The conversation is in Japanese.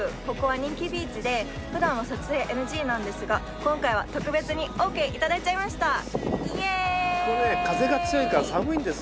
ここは人気ビーチで普段は撮影ＮＧなんですが今回は特別にオーケーいただいちゃいましたイエーイ！